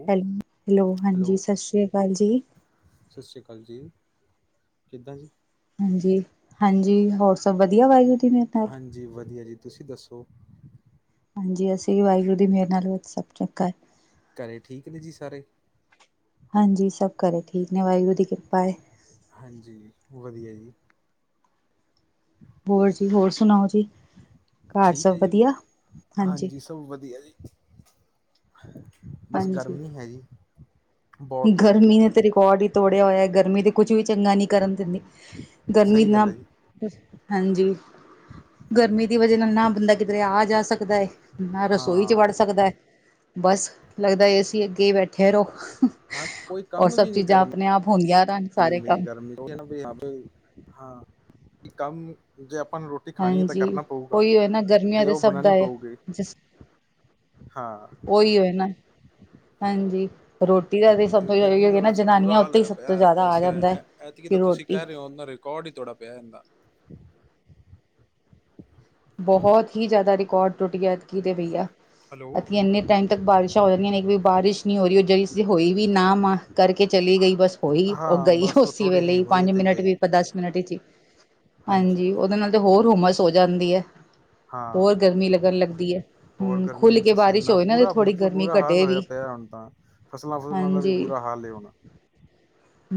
ਉਹ hello, hello ਹਾਂਜੀ ਸਤਿ ਸ੍ਰੀ ਅਕਾਲ ਜੀ। ਸਤਿ ਸ੍ਰੀ ਅਕਾਲ ਜੀ, ਕਿੱਦਾਂ ਜੀ। ਹਾਂਜੀ, ਹਾਂਜੀ ਹੋਰ ਸਭ ਵਧੀਆ ਵਾਹਿਗੁਰੂ ਦੀ ਮੇਹਰ- ਨਾਲ ਹਾਂਜੀ, ਵਧੀਆ ਜੀ ਤੁਸੀਂ ਦੱਸੋ? ਹਾਂਜੀ, ਅਸੀਂ ਵੀ ਵਾਹਿਗੁਰੂ ਦੀ ਮੇਹਰ ਨਾਲ ਸਭ ਚੰਗਾ ਹੈ। ਘਰੇ ਠੀਕ ਨੇ ਜੀ ਸਾਰੇ? ਹਾਂਜੀ, ਸਭ ਘਰੇ ਠੀਕ ਨੇ, ਵਾਹਿਗੁਰੂ ਦੀ ਕਿਰਪਾ ਹੈ। ਹਾਂਜੀ ਵਧੀਆ ਜੀ। ਹੋਰ ਜੀ, ਹੋਰ ਸੁਣਾਓ ਜੀ, ਘਾਰ ਠੀਕ ਸਭ ਹੈ ਜੀ ਵਧੀਆ? ਹਾਂਜੀ। ਸਭ ਵਧੀਆ ਜੀ, ਬਸ ਹਾਂਜੀ ਗਰਮੀ ਹੈ ਜੀ। ਬਹੁਤ ਗਰਮੀ ਨੇ ਤੇ ਰਿਕੋਰਡ ਹੀ ਤੋੜਿਆ ਹੋਇਆ, ਗਰਮੀ ਤੇ ਕੁਛ ਵੀ ਚੰਗਾ ਨੀ ਕਰਨ ਦਿੰਦੀ। ਗਰਮੀ ਸਹੀ ਨਾ ਗੱਲ ਹੈ ਜੀ ਹਾਂਜੀ, ਹਮ ਗਰਮੀ ਦੀ ਵਜ੍ਹਾ ਨਾਲ ਨਾ ਬੰਦਾ ਕਿਧਰੇ ਆ-ਜਾ ਸਕਦਾ ਏ। ਨਾ ਰਸੋਈ 'ਚ ਹਾਂ ਵੜ ਸਕਦਾ ਹੈ, ਬਸ ਲੱਗਦਾ ਏਸੀਂ ਅੱਗੇ ਹੀ ਬੈਠੇ ਰਹੋ। ਹਾਂ, ਕੋਈ ਔਰ ਕੰਮ ਸਭ ਵੀ ਨਹੀਂ ਚੀਜ਼ਾਂ ਕਰਨ ਆਪਣੇ ਆਪ ਹੁੰਦੀਆਂ ਰਹਿਣ- ਸਾਰੇ ਦਿੰਦੇ ਕੰਮ ਗਰਮੀ ਹ ਹਾਂ ਕੰਮ ਜੇ ਆਪਾਂ ਨੂੰ ਰੋਟੀ ਰੋਟੀ ਖਾਣੀ ਹੈ ਤਾਂ ਹਾਂਜੀ ਕਰਨਾ ਪਊਗਾ ਉਹੀ ਹੋਏ ਨਾ ਗਰਮੀਆਂ ਤੇ ਦੇ ਉਹ ਸਭ ਦਾ ਬਣਾਉਣੀ ਹੈ ਪਊਗੀ। ਹਾਂ ਉਹੀ ਹੋ ਨਾ, ਹਾਂਜੀ। ਰੋਟੀ ਦਾ ਤੇ ਸਭ ਤੋਂ ਅਹ ਗਰਮੀ ਦਾ ਈ ਨਾ, ਵੈਸੇ ਬੁਰਾ ਜਨਾਨੀਆਂ ਹਾਲ ਉੱਤੇ ਈ ਹੋਇਆ ਸਭ ਪਿਆ ਤੋਂ ਜ਼ਿਆਦਾ ਆ ਐਸ ਜਾਂਦਾ ਐ। ਕਿ ਰੋਟੀ ਕੌੜ ਹੀ ਤੋੜਾ ਪਿਆ ਏਂਦਾ। ਬਹੁਤ ਹੀ ਜ਼ਿਆਦਾ ਰਿਕਾਰਡ ਟੁੱਟ ਗਿਆ ਐਤਕੀ ਤੇ ਬਈਆ ਹੈਲੋ ਐਤਕੀ ਐਨੇ ਟਾਈਮ ਤੱਕ ਬਾਰਿਸ਼ਾਂ ਹੋ ਜਾਂਦੀਆਂ ਨੇ, ਇਕ ਵਿ ਬਾਰਿਸ਼ ਨਹੀਂ ਹੋ ਰਹੀ, ਉਹ ਜੇਇ ਸੀ ਹੋਈ ਵੀ ਨਾ ਮਾਂ ਕਰਕੇ ਚਲੀ ਗਈ ਬਸ ਹੋਈ, ਉਹ ਹਾਂ ਗਈ ਬਸ ਉਹ ਉਸੇ ਥੋੜ੍ਹੀ ਵੇਲੇ ਜਿਹੀ ਹੀ ਹੋਈ ਪੰਜ ਤੇ ਮਿੰਟ ਵੀ ਗਈ ਦਸ ਮਿੰਟ 'ਚ ਹੀ ਹਾਂਜੀ, ਉਹਦੇ ਨਾਲ ਤੇ ਹੋਰ ਹੁੰਮਸ ਹੋ ਜਾਂਦੀ ਏ। ਹਾਂ, ਹੈ ਹੋਰ ਹਮ ਖੁੱਲ ਗਰਮੀ ਕੇ ਬਾਰਿਸ਼ ਪਸੀਨਾ ਹੋਏ ਨਾ ਤੇ ਪੂਰਾ ਥੋੜ੍ਹੀ ਮਤਲਬ ਗਰਮੀ ਬੁਰਾ ਹਾਲ ਘਟੇ ਹੋਇਆ ਵੀ ਪਿਆ ਹੁਣ ਤਾਂ। ਫਸਲਾਂ-ਫੁਸਲਾਂ ਦਾ ਵੀ ਹਾਂਜੀ ਬੁਰਾ ਹਾਲ ਏ ਹੁਣ।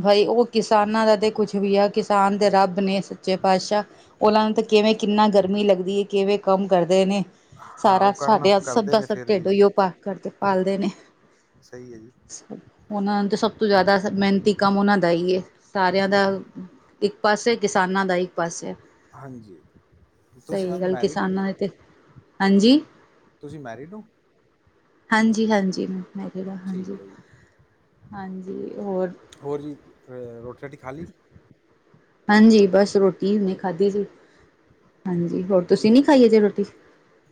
ਬਾਈ, ਉਹ ਕਿਸਾਨਾਂ ਦਾ ਤੇ ਕੁਛ ਵੀ ਆ ਕਿਸਾਨ ਤੇ ਰੱਬ ਆਪਣੇ ਸੱਚੇ ਪਾਤਸ਼ਾਹ, ਉਹਨਾਂ ਨੂੰ ਤਾਂ ਕਿਵੇਂ, ਕਿੰਨਾ ਗਰਮੀ ਲੱਗਦੀ ਹੈ, ਕਿਵੇਂ ਕੰਮ ਕਰਦੇ ਨੇ? ਹਾਂ ਸਾਰਾ, ਉਹ ਕਰਨਾ ਸਾਡੇ ਸਭ ਕਰਦੇ ਦਾ ਨੇ ਸਭ ਫਿਰ ਵੀ ਢਿੱਡ ਜੀ ਉਹੀਓ [unintelligible] ਕਰਕੇ ਪਾਲਦੇ ਨੇ। ਸਹੀ ਹੈ ਜੀ। ਉਹਨਾਂ ਨੂ ਤੇ ਸਭ ਤੋਂ ਜ਼ਿਆਦਾ ਮਿਹਨਤੀ ਕੰਮ ਉਹਨਾਂ ਦਾ ਹੀ, ਸਾਰਿਆਂ ਦਾ ਇੱਕ ਪਾਸੇ ਕਿਸਾਨਾਂ ਦਾ, ਇੱਕ ਪਾਸੇ ਹਾਂਜੀ। ਤੁਸੀਂ ਸਹੀ ਮੈਮ ਗੱਲ। ਮੈਰਿਡ ਹੋ ਕਿਸਾਨਾਂ ਨੇ ਤੇ ਹਾਂਜੀ। ਤੁਸੀਂ ਮੈਰਿਡ ਹੋ? ਹਾਂਜੀ- ਹਾਂਜੀ ਮੈਂ ਜ ਹਾਂਜੀ- ਠੀਕ ਹੈ ਜੀ ਹਾਂਜੀ ਹੋਰ। ਹੋਰ ਜੀ, ਰੋਟੀ ਰਾਟੀ ਖਾ ਲਈ? ਹਾਂਜੀ ਬਸ ਰੋਟੀੇ ਹੁਣੇ ਖਾਦੀ ਸੀ, ਹਾਂਜੀ, ਹੋਰ ਤੁਸੀਂ ਨੀ ਖਾਈ ਅਜੇ ਰੋਟੀ?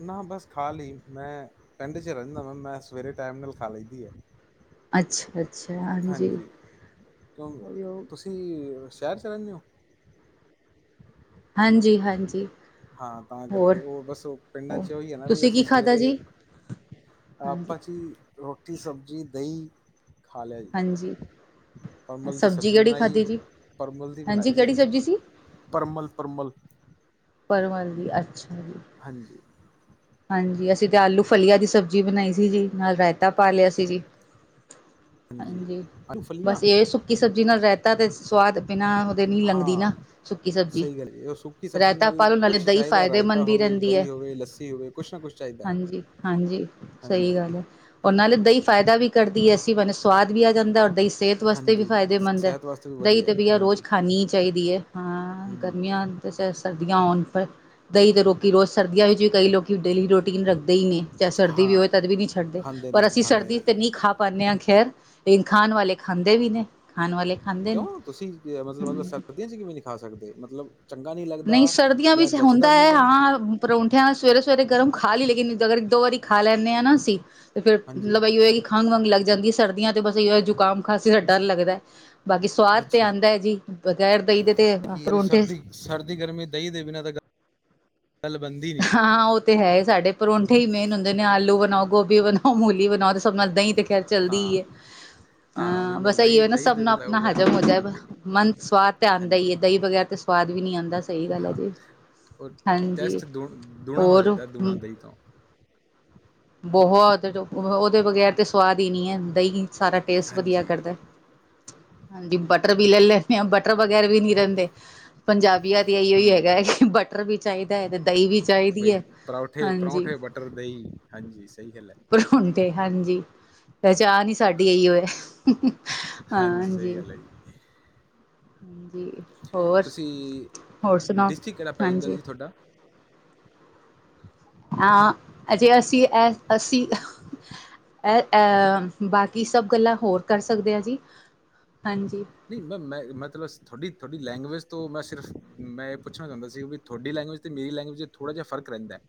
ਨਾ ਬਸ ਖਾ ਲਈ, ਮੈਂ ਪਿੰਡ 'ਚ ਰਹਿੰਦਾ ਵਾ, ਮੈਂ ਸਵੇਰੇ ਟਾਈਮ ਨਾਲ ਖਾ ਲੈਦੀ ਹੈ। ਅੱਛਾ, ਅੱਛਾ ਹਾਂਜੀ। ਕਿਉਂ ਤੁਸੀਂ ਸ਼ਹਿਰ 'ਚ ਰਹਿੰਦੇ ਉਹ। ਹਾਂਜੀ, ਹਾਂਜੀ। ਹਾਂ ਤਾਂ ਹੋਰ ਕਰਕੇ, ਉਹ ਬਸ ਉਹ ਪਿੰਡਾਂ ਹੋਰ 'ਚ ਉਹੀ ਹੈ ਨਾ, ਬਿ ਤੁਸੀਂ ਅਸੀਂ ਕੀ ਖਾਧਾ ਸਵੇਰੇ ਜੀ ਹਾਂਜੀ ਆਪਾਂ ਜੀ, ਰੋਟੀ, ਸਬਜ਼ੀ, ਦਹੀਂ ਖਾ ਲਿਆ ਜੀ। ਹਾਂਜੀ ਪਰਮਲ ਦੀ ਸਬਜ਼ੀ ਕਿਹੜੀ ਬਣਾਈ ਖਾਧੀ ਏ, ਜੀ ਪਰਮਲ ਦੀ ਹਾਂਜੀ ਬਣਾਈ ਏ ਕਿਹੜੀ ਜੀ। ਸਬਜ਼ੀ ਸੀ ਪਰਮਲ-ਪਰਮਲ। ਪਰਵਲ ਦੀ, ਅੱਛਾ ਜੀ। ਹਾਂਜੀ। ਹਾਂਜੀ, ਅਸੀਂ ਤੇ ਆਲੂ ਫਲੀਆ ਦੀ ਸਬਜ਼ੀ ਬਣਾਈ ਸੀ ਜੀ, ਨਾਲ ਰਾਇਤਾ ਪਾ ਲਿਆ ਸੀ ਜੀ। ਹਾਂਜੀ, ਆਲੂ ਫਲੀਆਂ ਬਸ ਇਹ ਸੁੱਕੀ ਸਬਜ਼ੀ ਨਾਲ ਰੈਤਾ ਤੇ ਸਵਾਦ, ਬਿਨਾਂ ਉਹਦੇ ਨੀ ਲੰਘਦੀ ਹਾਂ ਨਾ। ਸੁੱਕੀ ਸਬਜ਼ੀ, ਸਹੀ ਗੱਲ ਜੀ ਉਹ ਸੁੱਕੀ ਸਬਜ਼ੀ ਰਾਇਤਾ ਨਾਲ ਪਾਲੋ, ਨਾਲੇ ਕੁਛ ਦਹੀਂ ਚਾਹੀਦਾ ਰਾਇਤਾ ਫਾਇਦੇਮੰਦ ਵੀ ਹੋਵੇ ਰਹਿੰਦੀ ਹੈ। ਦਹੀਂ ਹੋਵੇ ਲੱਸੀ ਹੋਵੇ ਕੁਛ ਨਾ ਕੁਛ ਚਾਹੀ ਹਾਂਜੀ, ਹਾਂਜੀ ਸਹੀ ਗੱਲ ਹੈ। ਓ ਨਾਲ਼ੇ ਦਹੀਂ ਫਾਇਦਾ ਵੀ ਕਰਦੀ ਇਸੀ ਬਹਾਨੇ ਸਵਾਦ ਵੀ ਆ ਜਾਂਦਾ, ਔਰ ਦਹੀਂ ਸਿਹਤ ਵਾਸਤੇ ਵੀ ਹਾਂਜੀ ਫਾਇਦੇਮੰਦ ਹੈ ਸਿਹਤ ਵਾਸਤੇ ਵੀ ਦਹੀਂ ਵਧੀਆ ਤੇ ਹੈ ਬਹਿਆ ਰੋਜ਼ ਹਾਂਜੀ ਖੀ ਹੀ ਚਾਹੀਦੀ ਹੈ। ਹਾਂ, ਹਮ ਗਰਮੀਆਂ ਆਨ ਤੇ ਚਾਇ ਸਰਦੀਆਂ ਹੋਣ ਪਰ ਦਹੀਂ ਤੇ ਲੋਕੀ ਰੋਜ਼ ਸਰਦੀਆਂ ਵਿੱਚ ਵੀ ਕਈ ਲੋਕ ਡੇਲੀ ਰੂਟੀਨ ਰੱਖਦੇ ਹੀ ਨੇ ਚਾਹੇ ਸਰਦੀ ਵੀ ਹੋਵੇ ਹਾਂ ਤਦ ਵੀ ਨਹੀਂ ਛੱਡਦੇ। ਖਾਂਦੇ ਨੇ ਪਰ ਜੀ ਅਸੀਂ ਖਾਂਦੇ ਸਰਦੀ ਨੇ ਤੇ ਨ ਨਹੀਂ ਖਾ ਪਾਉਦੇ ਹਾਂ, ਖੈਰ ਲੇਇਨ ਖਾਣ ਵਾਲੇ ਖਾਂਦੇ ਵੀ ਨੇ। ਖਾਣ ਵਾਲੇ ਖਾਂ ਕਿਉਂ, ਤੁਸੀਂ ਮਤਲਬ, ਮਤਲਬ ਸਰਦੀਆਂ ਚ ਕਿਵੇਂ ਨੀ ਖਾ ਸਕਦੇ? ਮਤਲਬ ਚੰਗਾ ਨਹੀਂ, ਲੱਗਦਾ ਸਰਦੀਆਂ ਜਾਂ ਵਿੱਚ ਜਚਦਾ ਹੁੰਦਾ ਨੀ ਹੈ ਗਾ ਹਾਂ। ਪਰੌਂਠਿਆਂ ਨਾਲ ਸਵੇਰੇ-ਸਵੇਰੇ ਗਰਮ ਖਾ ਲਈ ਲੇਕਿਨ ਅਗਰ ਦੋ ਵਾਰੀ ਖਾ ਲੈਂਦੇ ਹਾਂ ਨਾ, ਅਸੀਂ ਤੇ ਫੇਰ ਹਾਂਜੀ ਮਲਬ ਇਹੋ ਕਿ ਖੰਘ-ਵੰਘ ਲੱਗ ਜਾਂਦੀ ਐ ਸਰਦੀਆਂ ਤੇ ਬਸ ਇਹੋ ਜੁਕਾਮ-ਖਾਸੀ ਦਾ ਡਰ ਲੱਗਦਾ ਐ। ਬਾਕੀ ਸਵਾਦ ਤੇ ਅੱਛਾ ਆਉਂਦਾ ਹੈ ਜੀ, ਬਗੈਰ ਦਹੀਂ ਦੇ ਤੇ ਪਰੌਂਠੇ ਸਰਦੀ-ਗਰਮੀ, ਦਹੀਂ ਦੇ ਬਿਨਾਂ ਤਾਂ ਗ ਗੱਲ ਬਣਦੀ ਨਹੀਂ। ਹਾਂ ਉਹ ਤੇ ਹੈ ਸਾਡੇ ਪਰੌਂਠੇ ਹੀ ਮੇਨ ਹੁੰਦੇ ਨੇ ਆਲੂ ਬਣਾਓ, ਗੋਭੀ ਬਣਾਓ, ਮੂਲੀ ਬਣਾਓ ਸਭ ਨਾਲ ਦਹੀਂ ਤੇ ਖੈਰ ਚੱਲਦੀ ਹਾਂ ਹੀ ਹੈ ਹਾਂ ਉਹਦੇ ਅ ਨਾਲ ਬਸ ਅਈ ਦਹੀਂ ਏ ਨਾ, ਦਹੀਂ ਦੇ ਸਭਨਾ ਬਿਨਾਂ ਆਪਣਾ ਉਹ ਹਜ਼ਮ ਗੱਲ ਨਾ ਹੋ ਜਾਏ। ਬਣਦੀ ਨੀ ਮਨ ਸਵਾਦ ਤੇ ਆਉਂਦਾ ਈ ਹਾਂਜੀ ਏ ਦਹੀਂ ਬਗੈਰ ਤੇ ਸਵਾਦ ਵੀ ਨੀ ਆਉਂਦਾ। ਸਹੀ ਗੱਲ ਹੈ ਜੀ ਹਾਂ! ਹਾਂਜੀ ਟੈਸਟ ਦੋ-ਦੂਣਾ ਹੋ ਹੋਰ ਜਾਂਦਾ ਏ ਦੂਣਾ ਦਹੀਂ ਖਾਓ। ਬਹੁਤ! ਉਹਦੇ ਬਗੈਰ ਤੇ ਸਵਾਦ ਹੀ ਨਹੀਂ ਹੈ ਦਹੀਂ ਸਾਰਾ ਟੇਸਟ ਵਧੀਆ ਹਾਂਜੀ ਕਰਦਾ। ਹਾਂਜੀ, ਬਟਰ ਵੀ ਲੈ ਲੈਂਦੇ ਹਾਂ ਬਟਰ ਬਗੈਰ ਵੀ ਨਹੀਂ ਰਹਿੰਦੇ। ਪੰਜਾਬੀਆਂ ਦੇ ਇਓ ਹੀ ਹੂੰ ਹੈਗਾ ਹੈ ਕਿ ਬਟਰ ਵੀ ਚਾਹੀਦਾ ਹੈ ਤੇ ਦਹੀਂ ਵੀ ਚਾਹੀਦੀ ਹੈ। ਪਰੌਂਠੇ, ਹਾਂਜੀ ਪਰੌਂਠੇ, ਬਟਰ, ਦਹੀਂ ਹਾਂਜੀ ਸਹੀ ਗੱਲ ਹੈ। ਹੁਣ ਤੇ ਹਾਂਜੀ, ਪਹਿਚਾਣ ਹੀ ਸਾਡੀ ਇਹੋ ਹੀ ਹੈ। ਸਹੀ ਹਾਂਜੀ। ਗੱਲ ਹੈ ਜੀ ਜੀ ਹੋਰ, ਤੁਸੀਂ ਹੋਰ ਸੁਣਾਓ? ਹਾਂਜੀ। ਥੋਡਾ? ਆ ਅਜੇ ਅਸੀਂ, ਅ ਅਸੀਂ। ਐ-ਐ ਬਾਕੀ ਸਭ ਗੱਲਾਂ ਹੋਰ ਕਰ ਸਕਦੇ ਆ ਜੀ, ਹਾਂਜੀ। ਨਈ ਮੈਂ- ਮੈਂ-ਮੈ ਤਲਸ ਥੋਡੀ ਥੋਡੀ ਲੈਂਗੁਏਜ ਤੋਂ ਮੈਂ ਸਿਰਫ ਮੈਂ ਏਹ ਪੁੱਛਣਾ ਚਾਦਾ ਸੀ ਬਈ ਥੋਡੀ ਲੈਂਗੁਏਜ ਤੇ ਮੇਰੀ ਲੈਂਗੁਏਜ ਤੇ ਥੋੜ੍ਹਾ਼ ਜਾ ਫਰਕ ਰੈੰਦੈ।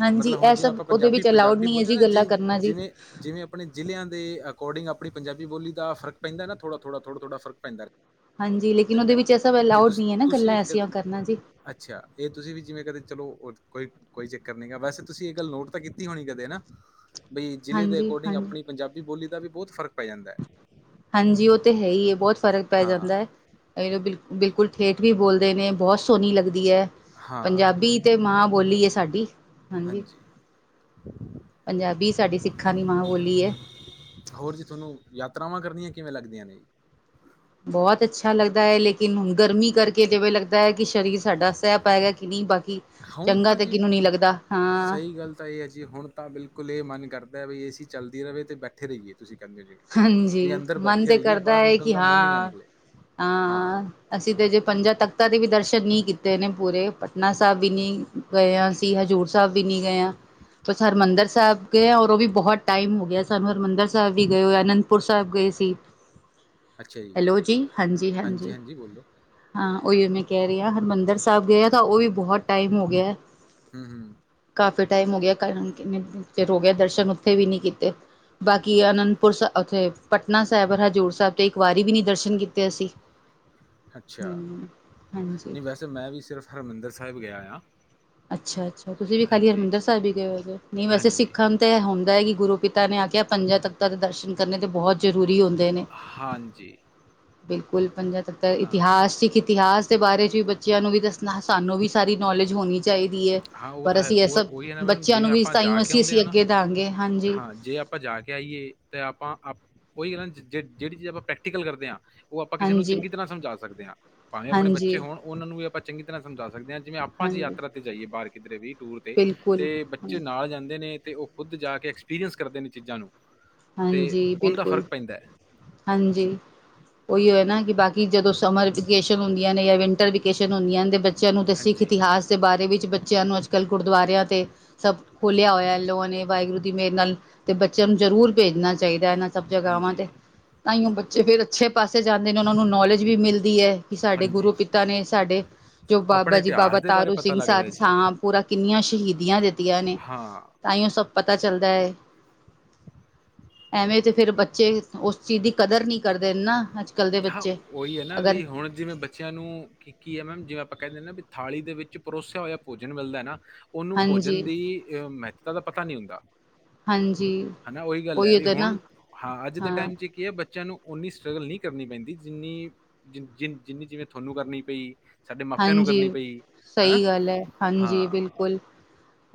ਹਾਂਜੀ ਮਤਲਬ ਹੁਣ ਇਹ ਜਿਵੇਂ ਸਭ ਆਪਾਂ ਉਹਦੇ ਵਿੱਚ ਅਲਾਊਡ ਪੰਜਾਬੀ-ਪੰਜਾਬੀ ਨਹੀਂ ਹੈ ਬੋਲਦੇ ਆ ਜੀ ਨਾ, ਗੱਲਾਂ ਜਿਮ ਕਰਨਾ ਜੀ। ਜਿਵੇ-ਜਿਵੇਂ ਅਪਣੇ ਜ਼ਿਲ੍ਹਿਆਂ ਦੇ ਅਕੌਡਿੰਗ ਆਪਣੀ ਪੰਜਾਬੀ ਬੋਲੀ ਦਾ ਫ਼ਰਕ ਪੈੰਦੈ ਨਾ ਥੋੜਾ-ਥੋੜਾ-ਥੋੜਾ-ਥੋੜਾ ਫਰਕ ਪੈਂਦੈ। ਹਾਂਜੀ, ਲੇਕਿਨ ਔਦੇ ਵਿੱਚ ਐਹ ਸਭ ਅਲਾਊਡ ਨੀ ਆ ਨਾ ਤੁਸੀਂ ਗੱਲਾਂ ਵੀ ਕਦੇ ਐਸੀਆਂ ਕਰਨਾ ਜੀ। ਅੱਛਾ, ਏ ਤੁਸੀਂ ਵੀ ਜਿਵੇਂ ਕਦੇ ਚਲੋ ਕੋਈ-ਕੋਈ ਚੱਕ ਕਰਨੇ ਗੈ ਵੈਸੇ ਤੁਸੀਂ ਏ ਗੱਲ ਨੋਟ ਤੇ ਕੀਤੀ ਹੋਣੀ ਕਦੇ ਨਾ, ਬਈ ਜ਼ਿਲ੍ਹੇ ਦੇ ਹਾਂਜੀ ਅਕੋਰਡਿੰਗ ਹਾਂਜੀ। ਅਪਣੀ ਪੰਜਾਬੀ ਬੋਲੀ ਦਾ ਵੀ ਬਹੋਤ ਫ਼ਰਕ ਪੈ ਜਾਂਦੈ। ਹਾਂਜੀ, ਓ ਤੇ ਹੈ ਈ ਆ ਬਹੁਤ ਫ਼ਰਕ ਪੈ ਹਾਂ ਜਾਂਦੈ, ਏ ਬਿਲ ਬਿਲਕੁਲ ਠੇਠ ਵੀ ਬੋਲਦੇ ਨੇ, ਬਹੁਤ ਸੋਹਣੀ ਲੱਗਦੀ ਐ। ਹਾਂ ਪੰਜਾਬੀ ਤੇ ਮਾਂ ਬੋਲੀ ਹੈ ਸਾਡੀ, ਹਾਂਜੀ। ਪੰਜਾਬੀ ਸਾਡੀ ਸਿੱਖਾਂ ਦੀ ਮਾਂ ਬੋਲੀ ਐ। ਹੋਰ ਜੀ, ਤੁਆਨੂੰ ਯਾਤਰਾਵਾਂ ਕਰਨੀਆਂ ਕਿਵੇਂ ਲੱਗਦੀਆਂ ਨੇ? ਬਹੁਤ ਅੱਛਾ ਲੱਗਦਾ ਏ ਲੇਕਿਨ ਹੁਣ ਗਰਮੀ ਕਰਕੇ ਜਵੇਂ ਲੱਗਦਾ ਹੈ ਕਿ ਸਰੀਰ ਸਾਡਾ ਸੈ ਪਾਏਗਾ ਕਿ ਨੀ ਬਾਕੀ, ਹੁਣ ਚੰਗਾ ਤੇ ਕਿਹਨੂੰ ਨੀ ਲੱਗਦਾ, ਹਾਂ ਹੁਨ ਤੇ ਐ ਜੀ ਹੁਣ ਤਾਂ ਬਿਲਕੁਲ ਏ ਸੀ ਮਨ ਕਰਦਾ ਐ ਵੀ ਏਸੀ ਚੱਲਦੀ ਰਵੇ ਤੇ ਬੈਠੇ ਰਈਏ। ਤੁਸੀਂ ਕੈਂਦੇ ਜੇ ਵੀ ਹਾਂਜੀ ਅੰਦਰ ਮਨ ਬੈਠੇ ਤੇ ਰਈਏ, ਕਰਦਾ ਬਾਰ ਹੈ ਨਿਕਲਣ ਕਿ ਦਾ ਮਨ ਈ ਨਾ ਹਾਂ ਨਿਕਲੇ, ਹਾਂ। ਤਾਂ ਅਸੀਂ ਤਾਂ ਜੇ ਪੰਜਾਂ ਤਖ਼ਤਾਂ ਦੇ ਵੀ ਦਰਸ਼ਨ ਨੀ ਕੀਤੇ ਨੇ, ਪੂਰੇ ਪਟਨਾ ਸਾਹਿਬ ਵੀ ਨੀ ਗਏ ਆ ਅਸੀ ਹਜ਼ੂਰ ਸਾਬ ਵੀ ਨੀ ਗਏ ਆ। ਬਸ ਹਰਿਮੰਦਰ ਸੈਬ ਗਏ, ਔਰ ਓ ਵੀ ਬਹੁਤ ਟਾਈਮ ਹੋ ਗਿਆ ਸਾਨੂੰ ਹਰਿਮੰਦਰ ਸਾਹਿਬ ਕੀ ਗਏ ਓ ਅਨੰਦਪੁਰ ਸਾਹਿਬ ਗਏ ਸੀ। ਹੈਲੋ ਜੀ ਹਾਂਜੀ ਹਾਂਜੀ-ਹਾਂਜੀ। ਹਾਂਜੀ ਬੋਲੋ ਹਾਂ, ਓਈਓ ਮੈਂ ਕੈ ਰਈ ਆਂ ਹਰਮੰਦਰ ਸਾਬ ਗਏ ਤਾਂ ਓ ਵੀ ਬਹੋ ਟਾਈਮ ਹੋ ਗਿਐ। ਹੂੰ। ਕਾਫੀ ਟਾਈਮ ਹੋ ਗਿਆ ਕਰਨ ਕਿਣੇ ਚਿਰ ਹੋ ਗਿਆ ਦਰਸ਼ਨ ਉੱਥੇ ਵੀ ਨੀ ਕੀਤੇ, ਬਾਕੀ ਆਨੰਦ ਔਥੇ ਪਟਨਾ ਸੈਬ ਹਜੂਰ ਸੈਬ ਤੇ ਇੱਕ ਵਾਰੀ ਵੀ ਨੀ ਦਰਸ਼ਨ ਕੀਤੇ ਅਸੀਂ‌। ਹੂੰ, ਹਾਂਜੀ। ਤੇ ਮੈਂ ਵੀ ਸਿਰਫ ਹਰਮੰਦਰ ਸੈਬ ਗਿਆ ਹੋਯਾ। ਅੱਛਾ, ਅੱਛ ਤੋ ਤੁਸੀਂ ਵੀ ਖਾਲੀ ਹਰਿਮੰਦਰ ਸਾਹਿਬ ਹੀ ਗਏ ਦੇਹੋ। ਨਹੀਂ ਵੈਸੇ ਹਾਂਜੀ ਸਿੱਖਾਂ ਨੂੰ ਤੇ ਐਹ ਹੁੰਦੈ ਕਿ ਗੁਰੂ ਪਿਤਾ ਨੇ ਆਖਿਆ ਪੰਜਾਂ ਤੱਖ ਤਾ ਦੇ ਦਰਸ਼ਨ ਕਰਨੇ ਦੇ ਬੌਤ ਜ਼ਰੂਰੀ ਹੁੰਦੇ ਨੇ। ਹਾਂਜੀ। ਬਿਲਕੁਲ ਪੰਜਾ ਤੱਖਤਾ ਹਾਂ ਇਤਿਹਾਸ ਚ ਕਿ ਇਤਿਹਾਸ ਦੇ ਬਾਰੇ ਚ ਵੀ ਬੱਚਿਆਂ ਨੂੰ ਵੀ ਦੱਸਣਾ ਸਾਨੂੰ ਵੀ ਸਾਰੀ ਨੌਲੇਜ ਹੋਣੀ ਚਾਈਦੀ ਐ, ਹਾਂ ਉਹ ਪਰ ਤਾਂ ਹੈ ਅਸੀਂ ਐਹ ਸਭ, ਉਹ ਉਹੀ ਹੈ ਨਾ ਮੈਡਮ ਬੱਚਿਆਂ ਜਿਵੇਂ ਨੂੰ ਵੀ ਆਪਾਂ ਤਾਂਈ ਜਾ ਅਸੀਂ ਅਸੀਂ ਅੱਗੇ ਦਾਂਗੇ ਹਾਂਜੀ। ਅਪਾਂ ਜਾ ਕੇ ਆਈਏ ਤੇ ਆਪਾਂ ਆਪ ਓਹੀ ਏ ਨਾ ਜੇ ਜੇੜੀ ਚੀਜ਼ ਆਪਾਂ ਪ੍ਰੈਕਟੀਕਲ ਕਰਦੇ ਆਂ ਓ ਆਪਾਂ ਕਿਸੇ ਨੂੰ ਹਾਂਜੀ ਚੰਗੀ ਤਰ੍ਹਾਂ ਸਮਝਾ ਸਕਦੇ ਆਂ, ਭਾਵੇਂ ਅਪਣੇ ਹਾਂਜੀ ਬੱਚੇ ਹੋਣ ਓਨਾਂ ਨੂੰ ਵੀ ਆਪਾਂ ਚੰਗੀ ਤਰ੍ਹਾਂ ਸਮਝਾ ਸਕਦੇ ਆਂ। ਜਿਵੇਂ ਆਪਾਂ ਜੇ ਹਾਂਜੀ ਯਾਤਰਾ ਤੇ ਜਾਈਏ ਬਾਰ ਕਿਧਰੇ ਵੀ ਟੂਰ ਤੇ ਬਿਲਕੁਲ ਤੇ ਬੱਚੇ ਨਾ ਜਾਂਦੇ ਨੇ। ਤੇ ਓ ਖੁਦ ਜਾ ਕੇ ਐਕਸਪੀਰੀਅੰਸ ਕਰਦੇ ਨੇ ਚੀਜ਼ਾਂ ਨੂੰ, ਤੇ ਹਾਂਜੀ ਔੰਦਾ ਬਿਲਕੁਲ ਫ਼ਰਕ ਪੈਂਦੈ। ਹਾਂਜੀ, ਓਈਓ ਐ ਨਾ ਕਿ ਬਾਕੀ ਜਦੋਂ ਸਮਰ ਵਿਕੇਸ਼ਨ ਹੁੰਦੀਆਂ ਨੇ ਯਾ ਵਿੰਟਰ ਵਿ ਕੇਸ਼ਨ ਹੁੰਦੀਆਂਣ ਤੇ ਬੱਚਿਆਂ ਨੂੰ ਤੇ ਸਿੱਖ ਹਾਂਜੀ। ਇਤਿਹਾਸ ਦੇ ਬਾਰੇ ਵਿੱਚ ਬੱਚਿਆਂ ਨੂੰ ਅੱਜ-ਕੱਲ੍ਹ ਗੁਰਦੁਆਰਿਆਂ 'ਤੇ ਸਭ ਖੋਲਿਆ ਹੋਯੈ ਲੋਣ ਏ ਵਾਹਿਗੁਰੂ ਦੀ ਮੇਰ ਨਾਲ, ਤੇ ਬੱਚਿਆਂ ਨੂੰ ਜ਼ਰੂਰ ਭੇਜਣਾ ਚਾਈਦੈ ਏਨਾਂ ਸਭ ਜਗ੍ਹਾਵਾਂ ਤੇ। ਹਾਂਜੀ, ਤਾਈਔ ਬੱਚੇ ਫਿਰ ਅੱਛੇ ਪਾਸੇ ਜਾਂਦੇ ਨੇ ਔਨਾਂ ਨੂੰ ਨੌਲੇਜ ਵੀ ਮਿਲਦੀ ਏ। ਕਿ ਸਾਡੇ ਹਾਂਜੀ। ਗੁਰੂ ਪਿਤਾ ਨੇ ਸਾਡੇ, ਜੋ ਆਪਣੇ ਬਾਬਾ ਜੀ ਬਾਬਾ ਇਤਿਹਾਸ ਦੇ ਬਾਰੇ ਤਾਰੂ ਪਤਾ ਸਿੰਘ ਲੱਗਦਾ ਸਰ ਹੈ ਜੀ। ਸਾਂ ਪੂਰਾ ਕਿੰਨੀਆਂ ਸ਼ਹੀਦੀਆਂ ਦਿੱਤੀਆਂ ਨੇ, ਹਾਂ। ਤਾਈਔ ਸਭ ਪਤਾ ਚੱਲਦਾ ਏ। ਐਵੇਂ ਤੇ ਫੇਰ ਬੱਚੇ ਓਸ ਚੀਜ਼ ਦੀ ਕਦਰ ਨੀ ਕਰਦੇ ਨਾ। ਅੱਜ ਕੱਲ੍ਹ ਦੇ ਹਾਂ, ਬੱਚੇ ਓਈ ਐ ਨਾ ਅਗਰ ਵੀ ਹੁਣ ਜਿਵੇਂ ਬੱ ਬੱਚਿਆਂ ਨੂੰ ਕੀ-ਕੀ ਆ ਮੈਮ ਜਿਵੇਂ ਆਪਾਂ ਕੈਂਦੇ ਨਾ ਵੀ ਥਾਲੀ ਦੇ ਵਿੱਚ ਪਰੋਸਿਆ ਹੋਇਆ ਭੋਜਨ ਮਿਲਦਾ ਹਨਾ ਉਹਨੂੰ ਹਾਂਜੀ, ਭੋਜਨ ਦੀ ਅਹ ਮਹਤਤਾ ਦਾ ਪਤਾ ਨਈ ਹੁੰਦਾ ਹਾਂਜੀ ਹਨਾ ਉਹੀ ਗੱਲ ਹੈ ਉਹੀਓ ਵੀ ਤਾਂ ਨਾ ਹੁਣ, ਹਾਂ ਅੱਜ ਦੇ ਟਾਈਮ ਚ ਕੀ ਹੈ ਬੱਚਿਆਂ ਨੂੰ ਓਨੀ ਸਟਰ੍ਰਗਲ ਨਈ ਕਰਨੀ ਪੈਂਦੀ ਜਿੰਨੀ- ਜਿੰਨੀ ਜਿਵੇਂ ਤੁਹਾਨੂੰ ਕਰਨੀ ਪਈ ਸਾਡੇ ਮਾਪਿਆਂ ਨੂੰ ਹਾਂਜੀ, ਕਰਨੀ ਪਈ, ਹਨਾ? ਸਹੀ ਗੱਲ ਹੈ ਹਾਂਜੀ ਹਾਂ, ਬਿਲਕੁਲ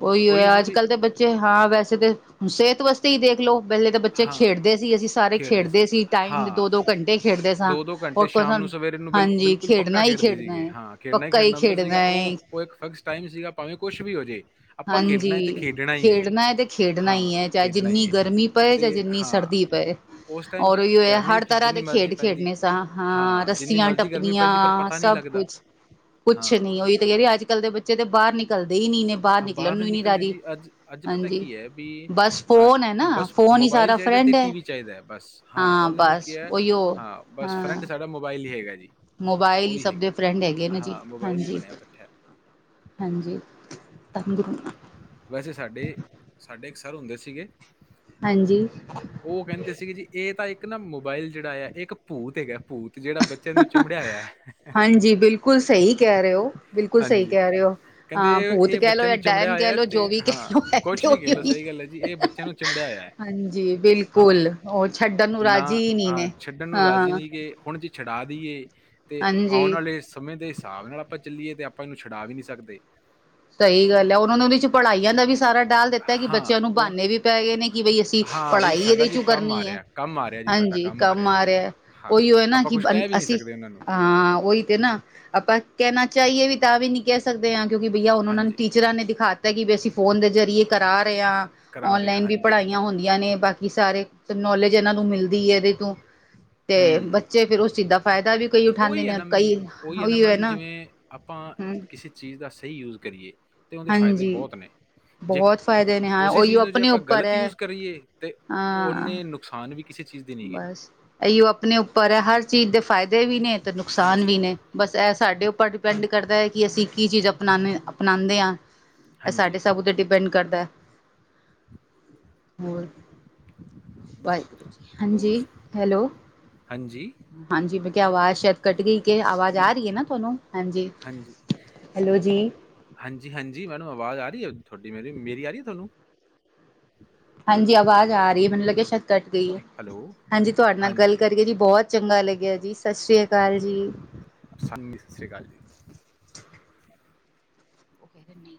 ਉਹੀਓ ਉਹੀ ਹੈ ਹੋਇਆ ਨਾ ਅੱਜ ਵੀ ਕੱਲ ਦੇ ਬੱਚੇ ਹਾਂ, ਵੈਸੇ ਤੇ ਸਿਹਤ ਵਸ ਹੀ ਦੇਖ ਲਓ ਪਹਿਲੇ ਤਾਂ ਬੱਚੇ ਹਾਂ, ਖੇਡਦੇ ਸੀ ਅਸੀਂ ਸਾਰੇ ਖੇਡਦੇ ਸੀ ਟਾਈਮ ਦੋ- ਦੋ ਘੰਟੇ ਖੇਡਦੇ ਸਾਂ ਦੋ- ਦੋ ਘੰਟੇ ਔਰ ਕੋ ਸ਼ਾਮ ਨੂੰ ਸਾਨੂੰ ਸਵੇਰੇ ਨੂੰ ਬਿਲੁ ਹਾਂਜੀ ਬਿਲਕੁਲ ਪੱਕਾ ਖੇਡਣਾ ਹੀ ਖੇਡਦੇ ਖੇਡਣਾ ਸੀਗੇ ਹੈ ਹਾਂ ਖੇਡਣਾ ਹੀ ਪੱਕਾ ਖੇਡਣਾ ਹੁੰਦਾ ਸੀਗਾ ਹੈ। ਉਹ- ਉਹ ਇੱਕ ਫਿਕਸ ਟਾਇਮ ਸੀਗਾ ਭਾਵੇਂ ਕੁਛ ਵੀ ਹੋਜੇ ਹਾਂਜੀ, ਖੇਡਣਾ ਏ ਤੇ ਖੇਡਣਾ ਹੀ ਹਾਂ ਐ। ਚਾਹੇ ਖੇਡਣਾ ਜਿੰਨੀ ਹੀ ਹੈ ਗਰਮੀ ਪਏ। ਚਾਏ ਤੇ ਜਿੰਨੀ ਹਾਂ ਸੜਦੀ ਪਏ। ਉਸ ਟਾਈਮ ਔਰ ਜੀ ਔਹੀਔ ਹੋਯਾ ਗਰਮੀ ਹਰ ਕਿ- ਤਰ੍ਹਾਂ ਜਿੰਨੀ ਦੇ ਮਰਜ਼ੀ ਖੇਡ ਪੈਂਦੀ ਖੇਡਣੇ ਸਾ ਹਾਂ, ਜਿੰਨੀ ਰੱਸੀਆਂ ਮਰਜ਼ੀ ਗਰਮੀ ਟੱਪਣੀਆਂ। ਪੈਂਦੀ ਪਰ ਪਤਾ ਨਹੀਂ ਸਭ ਲੱਗਦਾ ਕੁਛ। ਹਾਂ। ਓਹੀ ਤੇ ਕੈ ਰੀਆ, ਅੱਜ-ਕੱਲ ਦੇ ਬੱਚੇ ਤਾਂ ਬਾਰ ਨਿਕਲਦੇ ਈ ਨੀ ਨੇ, ਬਾਰ ਨਿਕ ਬਾਰ ਨੀ ਨਿਕਲਦੇ ਜੀ, ਅੱਜ ਅੱਜ ਪਤਾ ਕੀ ਹੈ ਬੀ ਬਸ ਅ ਫੋਨ ਹੈ ਨਾ ਬਸ ਫੋਨ ਹੀ ਮੋਬਾਈਲ ਸਾਰਾ ਚਾਈਦੈ ਤੇ ਫਰੈਂਡ ਹੈ ਟੀ ਵੀ ਚਾਈਦੈ। ਬਸ ਹਾਂ ਓਨਾਂ ਨੂੰ ਬਸ ਕੀਐ ਉਹੀਓ ਹਾਂ, ਬਸ ਹਾਂ ਫਰੈਂਡ ਸਾਡਾ ਮੋਬਾਈਲ ਈ ਹੈਗਾ ਜੀ। ਮੋਬਾਇਲ ਹੀ ਓਹੀ ਸਭ ਦੇ ਹੈਗੈ। ਫਰੈਂਡ ਹੈਗੇ ਨੇ ਜੀ ਹਾਂ, ਮੋਬਾਇਲ ਹੀ ਹਾਂਜੀ ਬਣਿਆ ਬੈਠੈ। ਹਾਂਜੀ, ਅੰਦਰੂ ਵੈਸੇ ਸਾਡੇ ਸਾਡੇ ਇੱਕ ਸਰ ਹੁੰਦੇ ਸੀਗੇ। ਹਾਂਜੀ। ਓਹ ਕੈੰਦੇ ਸੀਗੇ, ਜੀ ਏ ਤਾਂ ਇੱਕ ਨਾ ਮੋਬਾਇਲ ਜੇੜਾ ਆ ਏ ਇੱਕ ਭੂਤ ਹੈਗਾ ਭੂਤ, ਜੇੜਾ ਬੱ ਹਾਂਜੀ, ਬਿਲਕੁਲ ਸਹੀ ਕੈ ਰਏ ਔ, ਬਿਲਕੁਲ ਸਹੀ ਕੈ ਰਏ ਔ। ਕੈੰਦੇ ਏ ਬੱਚਿਆਂ ਨੂੰ ਚਮੜਿਆ ਹੋਯੈ ਤੇ ਜੋ ਵੀ ਕਹਿ ਹਾਂ ਲਓ ਹੈ ਕੁਛ ਤੇ ਵੀ ਕੈਹ ਲੋ ਉਹੀ ਸਹੀ ਗੱਲ ਏ ਜੀ ਏਹ ਬੱਚਿਆਂ ਨੂੰ ਚਮੜਿਆ ਹੋਯੈ। ਹਾਂਜੀ ਹਾਂ, ਬਿਲਕੁਲ ਉਹ ਛੱਡਣ ਨੂੰ ਰਾਜੀ ਨਾ ਹੀ ਨਹੀਂ ਆਂ ਨੇ ਛੱਡਣ ਨੂੰ ਰਾਜ਼ੀ ਹਾਂ ਨੀ ਗੇ। ਹੁਣ ਜੇ ਛਡਾ ਦੇਈਏ, ਤੇ ਆਉਣ ਹਾਂਜੀ ਵਾਲੇ ਸਮੇਂ ਦੇ ਹਿਸਾਬ ਨਾਲ ਆਪਾਂ ਚੱਲੀਏ ਤੇ ਆਪਾਂ ਇਹਨੂੰ ਛਡਾ ਵੀ ਨਈ ਸਕਦੇ ਸਹੀ ਗੱਲ ਹੈ ਉਹਨਾਂ ਨੇ ਉਹਦੇ ਚ ਪੜ੍ਹਾਈਆਂ ਦਾ ਵੀ ਸਾਰਾ ਡਾਲ ਦਿੱਤਾ ਕਿ ਹਾਂ ਬੱਚਿਆਂ ਨੂੰ ਹੁਣ ਬਹਾਨੇ ਵੀ ਪੈ ਗਏ ਨੇ ਕਿ ਬਈ ਅਸੀਂ ਹਾਂ ਬਈ ਪੜ੍ਹਾਈ ਸਾਡਾ ਇਹਦੇ ਜੀ ਚੋਂ ਕੰਮ ਆ ਕਰਨੀ ਹੈ, ਰਿਹਾ ਕੰਮ ਆ ਰਿਹਾ ਜੀ ਸਾਡਾ ਹਾਂਜੀ ਕੰਮ ਇਹਦੇ ਆ ਤੇ ਰਿਹਾ ਹਾਂ ਓਈਓ ਐ ਨਾ ਆਪਾਂ ਕਿ ਕੁਛ ਕਹਿ ਵੀ ਨਹੀਂ ਅਸੀਂ ਸਕਦੇ ਉਹਨਾਂ ਨੂੰ ਹਾਂ ਉਹੀ ਤੇ ਨਾ ਆਪਾਂ ਕਹਿਣਾ ਚਾਹੀਏ ਵੀ ਤਾਂ ਵੀ ਨੀ ਕਹਿ ਸਕਦੇ ਹਾਂ ਕਿਉਂਕਿ ਬਈਆ ਉਹਣ ਉਹ ਨੇ ਹਾਂਜੀ ਟੀਚ ਟੀਚਰਾਂ ਨੇ ਦਿਖਾਤਾ ਕਿ ਵੀ ਅਸੀਂ ਫੋਨ ਦੇ ਜ਼ਰੀਏ ਕਰਾ ਰਹੇ ਹਾਂ, ਕਰਾ ਰਹੇ ਹਾਂ, ਔਨਲਾਈਨ ਵੀ ਹਾਂਜੀ। ਪੜ੍ਹਾਈਆਂ ਹੁੰਦੀਆਂ ਨੇ ਬਾਕੀ ਕਿ ਸਾਰੇ ਨੌਲੇਜ ਇਹਨਾਂ ਨੂੰ ਮਿਲਦੀ ਹੈ ਇਹਦੇ ਤੋਂ ਤੇ ਹੂੰ, ਬੱਚੇ ਫਿਰ ਉਹ ਚਿੱਜ ਦਾਂ ਉਹੀ ਹੈ ਨਾ, ਉਹੀ ਹੈ ਨਾ ਮੈਡਮ ਜਿਵੇਂ ਆਪਾਂ ਹਮ ਕਿਸੇ ਚੀਜ਼ ਦਾ ਸਹੀ ਯੂਜ ਕਰੀਏ ਤੇ ਉਹਦੇ ਫਾਇਦੇ ਹਾਂਜੀ ਬਹੁਤ ਨੇ, ਜੇ ਬਹੁਤ ਫ਼ਾਇਦੇ ਨੇ ਹਾਂ ਉਸੇ ਚੀਜ਼ ਉਹੀਓ ਨੂੰ ਜੇ ਆਪਣੇ ਆਪਾਂ ਉੱਪਰ ਗਲਤ ਹੈ ਯੂਜ ਕਰੀਏ ਤੇ ਹਾਂ ਉਹਨੇ ਨੁਕਸਾਨ ਵੀ ਕਿਸੇ ਚੀਜ਼ ਦੇ ਨਹੀਂ ਹੈਗੇ। ਬਸ, ਇਹੀਓ ਆਪਣੇ ਉੱਪਰ ਹੈ, ਹਰ ਚੀਜ਼ ਦੇ ਫਾਇਦੇ ਵੀ ਨੇ ਤੇ ਨੁਕਸਾਨ ਹਾਂਜੀ। ਵੀ ਨੇ ਬਸ ਇਹ ਸਾਡੇ ਉੱਪਰ ਡਿਪੈਂਡ ਕਰਦਾ ਹੈ ਕਿ ਅਸੀਂ ਕੀ ਚੀਜ਼ ਆਪਣਾ ਅਪਣਾਉਂਦੇ ਹਾਂ ਇਹ ਸਾਡੇ ਹਾਂਜੀ। ਸਭ ਉੱਤੇ ਡਿਪੈਂਡ ਕਰਦਾ ਹੈ ਹੋਰ ਬਯੇ ਹਾਂਜੀ ਹੋਰ? ਹੈਲੋ ਹਾਂਜੀ, ਹਾਂਜੀ ਮੈਂ ਕਿਹਾ ਆਵਾਜ਼ ਸ਼ਾਇਦ ਕੱਟ ਗਈ ਕੇ ਆਵਾਜ਼ ਆ ਰਹੀ ਹੈ ਨਾ ਤੁਹਾਨੂੰ ਹਾਂਜੀ ਹੈਲੋ ਜੀ ਹਾਂਜੀ- ਹਾਂਜੀ ਮੈਨੂੰ ਆਵਾਜ਼ ਆ ਰਹੀ ਹੈ ਤੁਹਾਡੀ, ਮੇਰੀ ਮੇਰੀ ਆ ਰਹੀ ਹੈ ਤੁਹਾਨੂੰ ਹਾਂਜੀ ਆਵਾਜ਼ ਆ ਰਹੀ ਮੈਂਨੂੰ ਲੱਗਿਆ ਸ਼ਾਇਦ ਕੱਟ ਗਈ ਹੈ, ਹੈਲੋ, ਹਾਂਜੀ ਤੁਹਾਡੇ ਨਾਲ ਗੱਲ ਹਾਂਜੀ, ਕਰੀ ਜੀ ਬਹੁਤ ਚੰਗਾ ਲੱਗਿਆ ਜੀ ਸਤਿ ਸ੍ਰੀ ਅਕਾਲ ਜੀ ਸਬ ਨੂੰ ਸਤਿ ਸ਼੍ਰੀ ਅਕਾਲ ਜੀ - ਕਹਿ ਰਹੇ ਨਹੀਂ